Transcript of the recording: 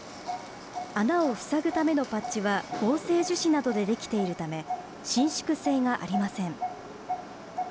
穴を塞ぐためのパッチは合成樹脂などで出来ているため、伸縮性がありません。